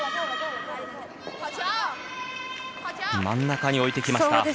真ん中に置いてきました。